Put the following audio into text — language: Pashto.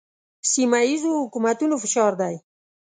سیمه ییزو حکومتونو فشار دی.